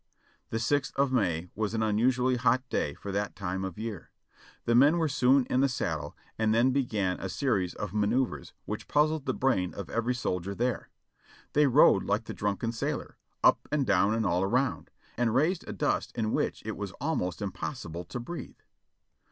The sixth of May was an unusually hot day for that time of year. The men were soon in the saddle, and then began a series of manoeuvres which puzzled the brain of every soldier there. 536 JOHNNY REB AND BILLY YANK They rode like tlie drunken sailor, "up and down and all round." and raised a dust in which it was almost impossible to breathe.